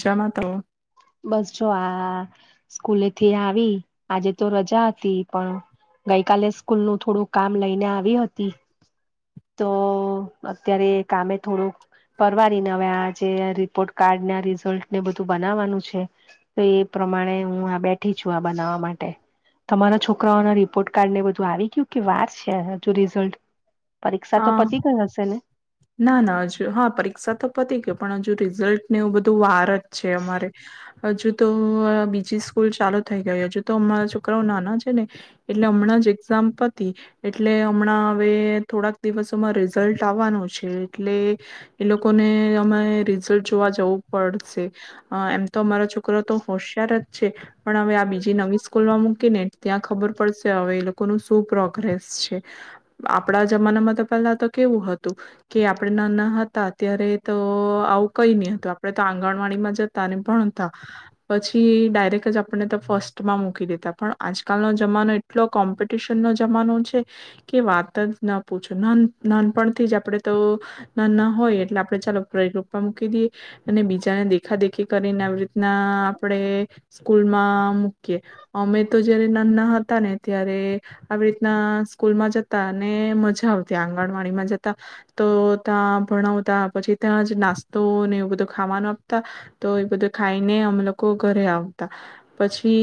જમાં તો બસ જો આ સ્કૂલેથી આવી આજે તો રજા હતી પણ ગઈ કાલે સ્કૂલ નું થોડું કામ લઈને આવી હતી તો અત્યારે કામે થોડુંક પરવારીને અવે આજે રિપોર્ટ કાર્ડ ના રિઝલ્ટ ને બધું બનાવાનું છે તો એ પ્રમાણે હું આ બેઠી છું. આ બનાવવા માટે તમારા છોકરાઓના રિપોર્ટ કાર્ડ ને બધું આવી ગયું કે વાર છે હજુ રિઝલ્ટ પરીક્ષા તો હા પતી ગઈ હશે ને? ના ના હજુ હા પરીક્ષા તો પતી ગઈ પણ હજુ રિઝલ્ટ ને એવું બધું વાર જ છે. અમારે હજુ તો બીજી સ્કૂલ ચાલુ થઈ ગઈ. હજુ તો અમારા છોકરાઓ નાના છે ને એટલે હમણાં જ એક્ઝામ પતી એટલે હમણાં હવે થોડાક દિવસોમાં રિઝલ્ટ આવવાનું છે. એટલે એ લોકોને અમે રિઝલ્ટ જોવા જવું પડશે અ એમ તો અમારા છોકરો તો હોશિયાર જ છે પણ હવે આ બીજા જે નવી સ્કૂલમાં મૂકી ને ત્યાં ખબર પડશે હવે એ લોકોનું સુ શું પ્રોગ્રેસ છે? આપણા જમાનામાં તો પેલા તો કેવું હતું કે આપણેે નાના હતા ત્યારે તો આવું કઈ નહી હતું. આપણેે તો આંગણવાડીમાં જતા ભણતા પછી ડાયરેક્ટ જ આપણને તો ફર્સ્ટમાં મૂકી દેતા. પણ આજકાલનો જમાનો એટલો કોમ્પિટિશન નો જમાનો છે કે વાત જ ના પૂછો ના નાનપણથી જ આપણે તો નાના હોય એટલે આપણે ચાલો પ્લેગ્રુપ માં મૂકી દઈએ અને બીજાને દેખા દેખી કરીને આવી રીતના આપણે સ્કૂલમાં મૂકીએ અમે તો જયારે નાના હતા ને ત્યારે આવી રીતના સ્કૂલમાં જતા અને મજા આવતી આંગ આગળવાણીમાં જતા તો તા ભણાવતા પછી ત્યાં જ નાસ્તો ને એવું બધું ખાવાનું આપતા તો એ બધું ખાઈને અમે લોકો ઘરે આવતા પછી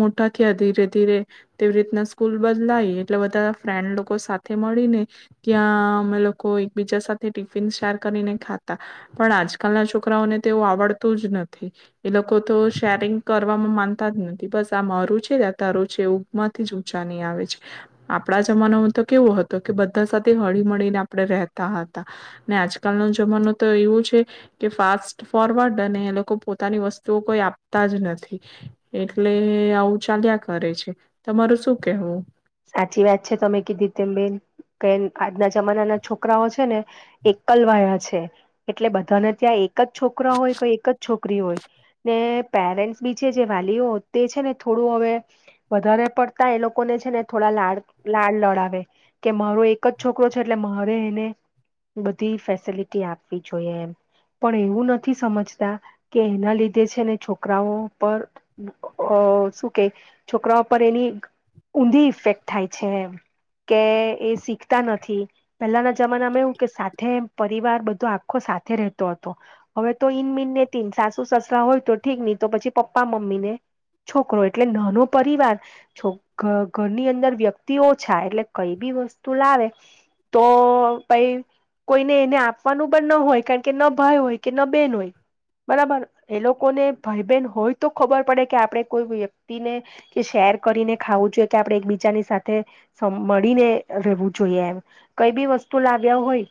મોટા થીયા ધીરે ધીરે તેવી રીતના સ્કૂલ બદલાય એટલે બધા ફ્રેન્ડ લોકો સાથે મળીને ત્યાં અમે લોકો લોકો એકબીજા સાથે ટિફિન શેર કરીને ખાતા પણ આજકાલના છોકરાઓને તેવું આવડતું જ નથી એ લોકો તો શેરિંગ કરવામાં માનતા જ નથી બસ આ મારું છે આ તા છે એવું માંથી જ ઊંચા ની આવે છે. આપણા જમાનામાં તો કેવુ હતું કે બધા સાથે હળી મળીને આપડે રહેતા હતા. ને આજકાલનો જમાનો તો એવું છે કે ફાસ્ટ ફોરવર્ડ અને એ લોકો પોતાની વસ્તુઓ કોઈ આપતા જ નથી એટલે આવું ચાલ્યા કરે છે. તમારું શું કેહેવું? સાચી વાત છે તમે કીધી તેમ બેેન કે આજના જમાનાના છોકરાઓ છે ને એકલવાયા છે એટલે બધાને ત્યાં એક જ છોકરા હોય કે એક જ છોકરી હોય ને પેરેન્ટ્સ બી છે જે વાલીઓ તે છે ને થોડું હવે વધારે પડતા એ લોકોને છે ને થોડા લાડ લાડ લડાવે કે મારો એક જ છોકરો છે એટલે મારે એને બધી ફેસિલિટી આપવી જોઈએ એમ પણ એવું નથી સમજતા કે એના લીધે છેને છોકરાઓ પર અ શું કે છોકરાઓ પર એની ઊંધી ઈફેક્ટ થાય છે એમ કે એ શીખતા નથી. પહેલાના જમાનામાં એવું કે સાથે પરિવાર બધો આખો સાથે રહેતો હતો. હવે તો ઈનમિનને તીન સાસુ, સસરા હોય તો ઠીક નહી તો પછી પપ્પા, મમ્મીને, છોકરો એટલે નાનો પરિવાર ઘરની અંદર વ્યક્તિ ઓછા એટલે કઈ બી વસ્તુ લાવે તો ભાઈ કોઈને એને આપવાનું પણ ના હોય કારણ કે ન ભાઈ હોય કે ન બેન હોય બરાબર એ લોકોને ભાઈ બહેન હોય તો ખબર પડે કે આપણે કોઈ વ્યક્તિને કે શેર કરીને ખાવું જોઈએ. કે આપણે એક બીજાની સાથે મળીને રહેવું જોઈએ એમ કઈ બી વસ્તુ લાવ્યા હોય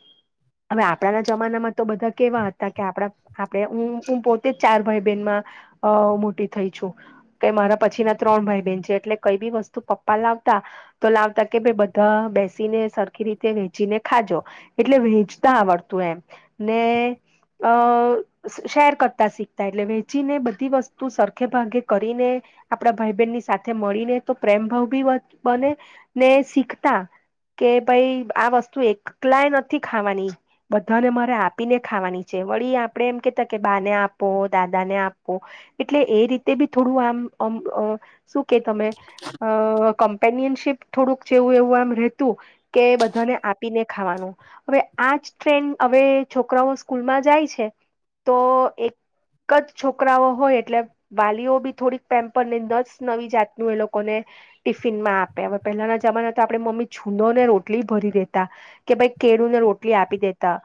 હવે આતા ના જમાનામાં તો બધા કેવા હતા કે આપડા આપણે હું પોતે જ ચાર ભાઈ બહેનમાં અ મોટી થઈ છું કે મારા પછી ના ત્રણ ભાઈ બહેન છે એટલે કઈ બી વસ્તુ પપ્પા લાવતા તો લાવતા કે ભાઈ બધા બેસીને સરખી રીતે વેચીને ખાજો એટલે વેચતા આવડતું એમ ને અ શેર કરતા શીખતા એટલે વેચીને બધી વસ્તુ સરખે ભાગે કરીને આપડા ભાઈ બહેનની સાથે મળીને તો પ્રેમભાવ બી વધ બને ને શીખતા કે ભાઈ આ વસ્તુ એકલાય નથી ખાવાની બધાને મારે આપીને ખાવાની છે વળી આપણેે એમ કેતા કે બાને આપો, દાદાને આપો એટલે એ રીતે બી થોડું આમ મ શું કે તમે? કમ્પેનિયનશીપ થોડુંક જેવું એવું આમ રહેતું કે બધાને આપીને ખાવાનું હવે આજ ટ્રેન્ડ હવે છોકરાઓ સ્કૂલમાં જાય છે તો એક જ છોકરાઓ હોય એટલે વાલીઓ બી થોડીક પેમ્પર ને દસ નવી જાતનું એ લોકોને ટિફિનમાં આપે. હવે પહેલાના જમાના તો આપણેે મમ્મી છુદોને રોટલી ભરી દેતા કે ભાઈ કેળુંને રોટલી આપી દેતા.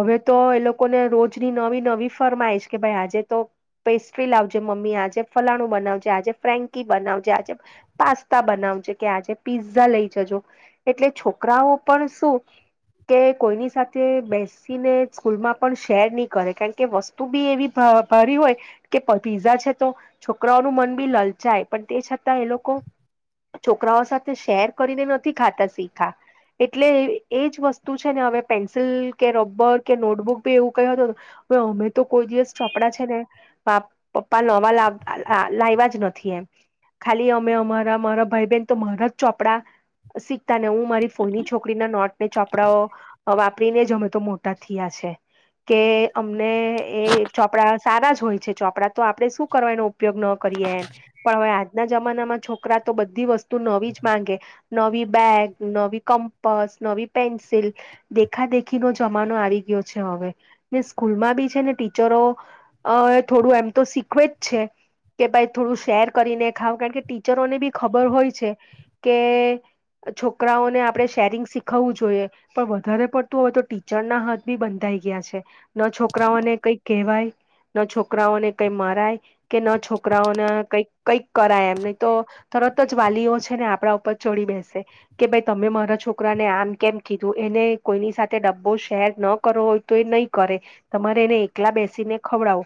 હવે તો એ લોકોને રોજની નવી નવી ફરમાઈશ કે ભાઈ આજે તો પેસ્ટ્રી લાવજે, મમ્મી આજે ફલાણું બનાવજે, આજે ફ્રેન્કી, બનાવજે આજે પાસ્તા બનાવજે કે આજે પીઝા લઈ જજો એટલે છોકરાઓ પણ શું કે કોઈની સાથે બેસીને સ્કૂલમાં પણ શેર ની કરે કારણ કે વસ્તુ બી એવી ભરી હોય કે પીઝા છે તો છોકરાઓનું મન બી લલચાય પણ તે છતાં એ લોકો છોકરાઓ સાથે શેર કરીને નથી ખાતા શીયખા એટલે એજ વસ્તુ છે ને હવે પેન્સિલ કે રબર કે નોટબુક ભી એવું કય હતું ને અમે તો કોઈ દિવસ ચોપડા છે ને પપ્પા નવા લાવ્યા જ નથી એમ ખાલી અમે અમા મારા ભાઈ બેન તો મારા ચોપડા ને હું મારી ફોની છોકરી ના નોટ ને ચોપડાઓ વાપ આપડીને જમે તો મોટા થયા છે કે અમને એ ચોપડા સારા જ હોય છે ચોપડા તો આપણેે શું કરવાનો ઉપયોગ ન કરીએ એમ પણ હવે આજના જમાનામાં છો છોકરા તો બધી વસ્તુ નવી જ માંગે નવી બેગ નવી કમ્પસ નવી પેન્સિલ દેખા દેખી નો જમાનો આવી ગયો છે હવે ને સ્કૂલમાં બી છે ને ટીચરો થોડું એમ તો શીખવે જ છે કે ભ થોડું શેર કરીને ખાવ કારણ કે ટીચરોને બી ખબર હોય છે કે છોકરાઓને આપણે શેરિંગ શીખવવું જોઈએ પણ વધારે પડતું હોય તો ટીચર ના હાથ બી બંધાઈ ગયા છે ન છોકરાઓને કઈ કહેવાય ન છોકરાઓને કંઈ મરાય કે ન છોકરાઓને કઈક કઈક કરાય એમને તો તરત જ વાલીઓ છે ને આપણા ઉપર ચડી બેસે કે ભાઈ તમે મારા છોકરાને આમ કેમ કીધું એને કોઈની સાથે ડબ્બો શેર ન કરવો હોય તો એ નહીં કરે તમારે એને એકલા બેસીને ખવડાવો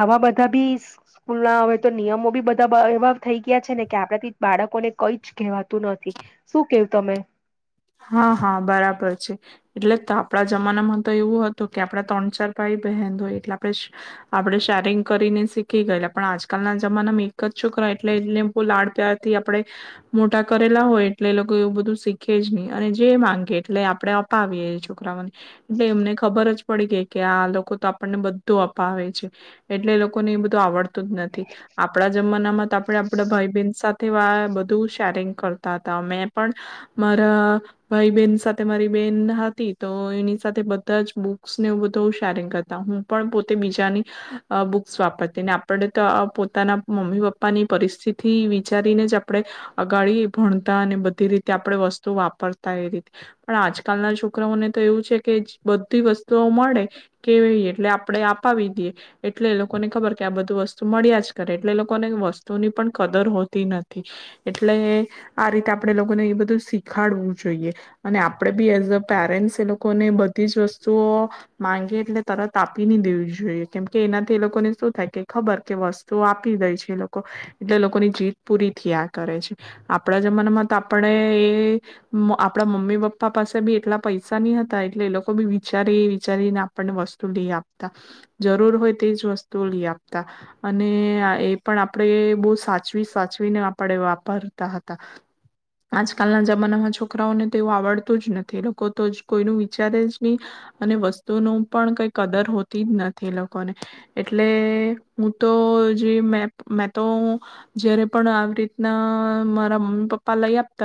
આવા બધા બી સ્કૂલ ના હો તો નિયમો બી બધા એવા થઈ ગયા છે ને કે આપણાથી બાળકોને કઈ જ કવાતું નથી શું? કેવું તમે હા હા બરાબર છે એટલે આપણા જમાનામાં તો એવું હતું કે આપડા ત્રણ ચાર ભાઈ બહેન હોય એટલે આપણે આપડે શેરંગ કરીને શીખી ગયેલા પણ આજકાલના જમાનામાં એક જ છોકરા એટલે એને બહ લાડ પ્યારથી આપે મોટા કરેલા હોય એટલે એ લોકો એવું બધું શીખી જની અને જે માંગે એટલે આપણે અપાવીએએ છોકરાઓને એટલે એમને ખબર જ પડી ગઈ કે આ લોકો તો આપણને બધું અપાવે છે એટલે એ લોકોને એ બધું આવડતું જ નથી આપણા જમાનામાં તો આપણે આપડા ભાઈ બેન સાથે બધું શેરિંગ કરતા હતા મે પણ મારા ભાઈ બહેન સાથે મારી બેન હતી તો એની સાથે બધા જ બુક્સ ને બધું સારીંગતા હું પણ પોતે બીજાની બુક્સ વાપરતી આપણે તો પોતાના મમ્મી પપ્પાની પરિસ્થિતિ વિચારીને જ આપણે અગાડી ભણતા અને બધી રીતે આપ વસ્તુ વાપરતા એ રીતે પણ આજકાલના છોકરાઓને તો એવું છે કે બધી વસ્તુઓ મળે કેવી એટલે આપણે આપાવી દઈએ એટલે એ લોકોને ખબર કે આ બધું વસ્તુ મળ્યા જ કરે એટલે એ લોકોને વસ્તુની પણ કદર હોતી નથી એટલે આ રીતે આપણે લોકોને એ બધું શીખડવું જોઈએ અને આપણેે બી એઝ અ પેરેન્ટ્સ એ લોકોને બધી જ વસ્તુઓ માંગીએ એટલે તરત આપી દેવી જોઈએ કેમ કે એનાથી એ લોકોને શું થાય કે ખબર કે વસ્તુઓ આપી દે છે એ લોકો એટલે લોકોની જીત પૂરી થ આ કરે છે આપણા જમાનામાં તો આપણે આપણા મમ્મી પપ્પા પાસે બી એટલા પૈસા નહી હતા એટલે એ લોકો બી વિચારી એ વિચારીને આપણને વસ્તુ લઈ આપતા જરૂર હોય તેજ વસ્તુ લઈ આપતા અને એ પણ આપણે બહ સાચવી સાચવીને આપણે વાપરતા હતા કાલના જમાનામાં છોકરાઓને તેવું આવડતું જ નથી લોકો તો જ કોઈનું વિચારે જ નહી અને વસ્તુનું પણ કઈ કદર હોતી જ નથી લોકોને એટલે હું તો જે મેં તો જયારે પણ આવી રીતના મારા મમ્મી પપ્પા લઈ આપ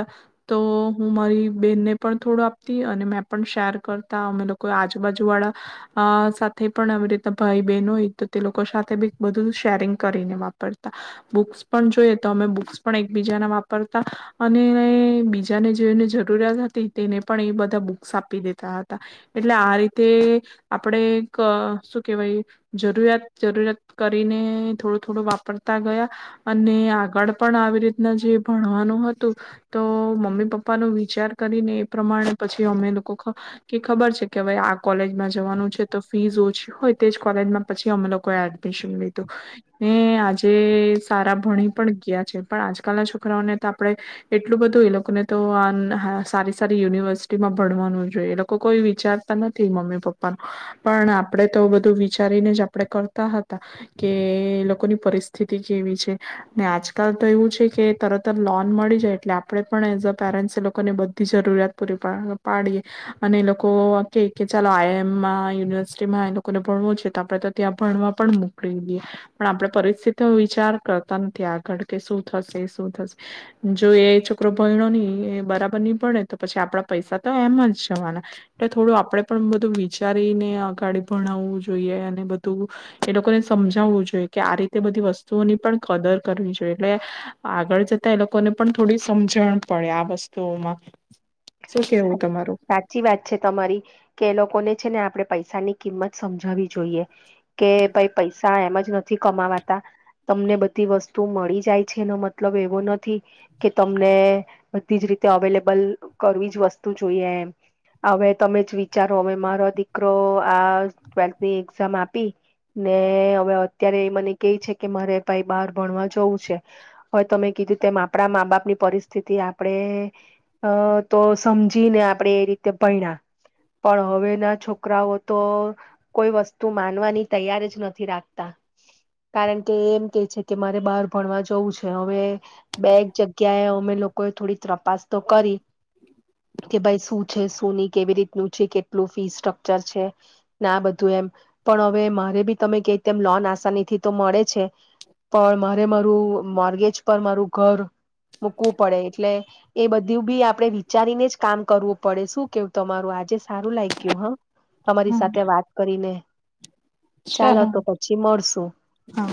તો હું મારી બેનને પણ થોડું આપતી અને મેં પણ શેર કરતા અમે લોકો આજુબાજુ વાળા સાથે પણ આવી રીતના ભાઈ બેન હોય તો તે લોકો સાથેી બધું શેરિંગ કરીને વાપરતા બુક્સ પણ જોઈએ તો અમે બુક્સ પણ એકબીજાના વાપરતા અને બીજાને જોઈને જો જરૂરિયાત હતી તેને પણ એ બધા બુક્સ આપી દેતા હતા એટલે આ રીતે આપણે એક શું કેવાય જરૂરિયાત જરૂરિયાત કરીને થોડું થોડું વાપરતા ગયા અને આગળ પણ આવી રીતના જે ભણવાનું હતું. તો મમ્મી પપ્પા ન વિચાર કરીને એ પ્રમાણે પછી અમે લોકો કે ખબર છે. કે ભાઈ આ કોલેજમાં જવાનું છે તો ફીસ ઓછી હોય તેજ કોલેજમાં પછી અમે લોકોએ એડમિશન લીધું ને આજે સારા ભણી પણ ગયા છે પણ આજકાલના છોકરાઓને તો આપણે એટલું બધું એ લોકોને તો આ સારી સારી યુનિવર્સિટીમાં ભણવાનું જોઈએ એ લોકો કોઈ વિચારતા નથી મમ્મી પપ્પાનું પણ આપણે તો બધું વિચારીને જ આપણે કરતા હતા કે એ લોકોની પરિસ્થિતિ કેવી છે ને આજકાલ તો એવું છે કે તરત જ લોન મળી જાય એટલે આપણે પણ એઝ અ પેરેન્ટ્સ એ લોકોને બધી જરૂરિયાત પૂરી પાડીએ અને એ લોકો કે કે ચાલો આઈ એમમાં યુનિવર્સિટીમાં એ લોકોને ભણવું છે તો આપણે તો ત્યાં ભણવા પણ મોકલી દઈએ પણ આપણે પરિસ્થિતિ વિચાર કરતા નથી આગળ કે શું થશે શું થશે જો એ છોકરો ભહેણો નહી એ બરાબર નહી ભણે તો પછી આપણા પૈસા તો એમ જ જવાના એટલે થોડું આપણે પણ બધું વિચારીને અગાડી ભણાવવું જોઈએ અને બધું એ લોકોને સમજાવવું જોઈએ. કે આ રીતે બધી વસ્તુઓની પણ કદર કરવી જોઈએ એટલે આગળ જતા એ લોકોને પણ થોડી સમજણ પડે આ વસ્તુઓમાં શું કેવું તમારું સાચી વાત છે તમારી કે એ લોકોને છે ને આપડે પૈસાની કિંમત સમજવી જોઈએ કે ભાઈ પૈસા એમ જ નથી કમાવાતા તમને બધી વસ્તુ મળી જાય છે એનો મતલબ એવો નથી કે તમને બધી જ રીતે અવેલેબલ કરવી જ વસ્તુ જોઈએ એમ હવે તમે જ વિચારો હવે મારો દીકરો આ ટ્વેલ્થની એક્ઝામ આપી ને હવે અત્યારે મને કે છે કે મારે ભાઈ બાર ભણવા જવું છે હવે તમે કીધું તેમ આપણા મા બાપની પરિસ્થિતિ આપણે તો સમજીને આપણેે એ રીતે ભણા પણ હવે ના છોકરાઓ તો કોઈ વસ્તુ માનવાની તૈયાર જ નથી રાખતા કારણ કે એમ કે છે કે મારે બહાર ભણવા જવું છે હવે બેક જગ્યાએ અમે લોકોએ થોડી તપાસ તો કરી કે ભાઈ શું છે શું નહી કેવી રીતનું છે કેટલું ફી સ્ટ્રકચર છે ના બધું એમ પણ હવે મારે બી તમે ક તેમ લોન આસાની થી તો મળે છે પણ મારે મારું મોર્ગેજ પર મારું ઘર મૂકવું પડે એટલે એ બધું બી આપડે વિચારીને જ કામ કરવું પડે શું કેવું તમારું આજે સારું લાગ ગયું હા તમારી હમ સાથે વાત કરીને ચાલો તો પછી મળશુ હા